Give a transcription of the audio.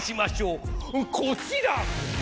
こちら！